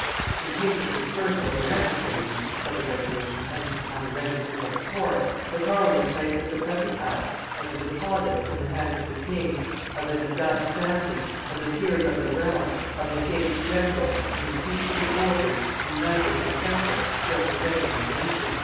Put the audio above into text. "In case of dispersal of the magistracy," said the resolution entered upon the registers of the court, "the Parliament places the present act as a deposit in the hands of the king, of his august family, of the peers of the realm, of the States general, and of each of the orders, united or separate, representing the nation."